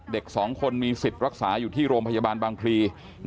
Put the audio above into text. ๒คนมีสิทธิ์รักษาอยู่ที่โรงพยาบาลบางพลี